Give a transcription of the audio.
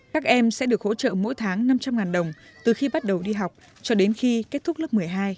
các em sẽ được hỗ trợ mỗi tháng năm trăm linh đồng từ khi bắt đầu đi học cho đến khi kết thúc lớp một mươi hai